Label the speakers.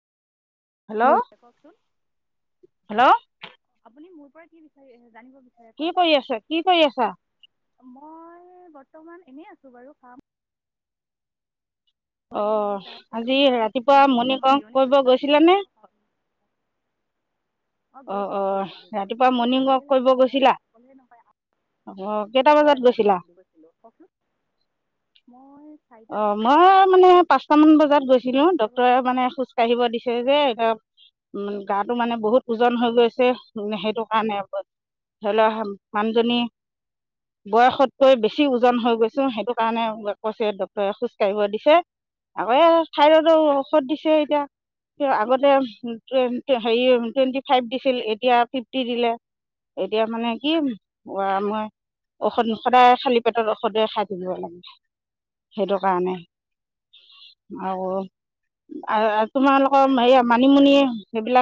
Speaker 1: [unintelligible] কওকচোন।
Speaker 2: হেলো?
Speaker 1: আপুনি মোৰ পৰা কি বিচাৰি আহে জানিব বিচাৰে
Speaker 2: কি কৰি
Speaker 1: কওঁকচোন?
Speaker 2: আছা কি কৰি আছা
Speaker 1: মই বৰ্তমান এনে আছোঁ বাৰু কাম
Speaker 2: অ
Speaker 1: কৰি মেলি তাৰপিছত আৰু
Speaker 2: আজি
Speaker 1: মই
Speaker 2: ৰাতিপুৱা মৰ্নিং
Speaker 1: অকণমান
Speaker 2: ৱাক
Speaker 1: জিৰণি
Speaker 2: কৰিব
Speaker 1: লৈছোঁ
Speaker 2: গৈছিলা নে?
Speaker 1: অ গৈছিলোঁ গৈছিলোঁ
Speaker 2: ৰাতিপুৱা
Speaker 1: গৈছিলোঁ গৈ
Speaker 2: মৰ্ণিং ৱাক
Speaker 1: ভালেই লাগে
Speaker 2: কৰিব
Speaker 1: আৰু মই
Speaker 2: গৈছিলা
Speaker 1: অকলে নহয় আ
Speaker 2: অ কেইটা বজাত
Speaker 1: হয় হয়
Speaker 2: গৈছিলা
Speaker 1: গৈছিলোঁ গৈছিলোঁ কওঁকচোন, মই চাৰিটা
Speaker 2: অ মই মানে পাঁচটা মান বজাত গৈছিলোঁ
Speaker 1: চাৰিটা বজাত
Speaker 2: ডক্তৰে মানে খোজ কাঢ়িব দিছে যে [unintelligible] উম গাটো মানে বহুত ওজন হৈ গৈছে সেইটো কাৰণে ধৰি লোৱা মানুহজনী বয়সতকৈ বেছি ওজন হৈ গৈছোঁ সেইটো কাৰণে কৈছে ডক খোজ কাঢ়িব দিছে। আকৌ এ ঠাইৰডো ঔষধ দিছে এতিয়া তিয়, আগতে উম টুৱেন হেৰি টুৱেণ্টি ফাইভ দিছিল এতিয়া ফিফটি দিলে। এতিয়া মানে কি উৱা মই ঔষধ সদায় খালি পেটত ঔষধে খাই থাকিব লাগে। সেইটো কাৰণে। আৰু আৰু তোমালোকৰ এয়া মানিমুনি সেইবিলাক